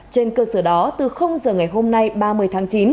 trên cơ sở đó từ giờ ngày hôm nay ba mươi tháng chín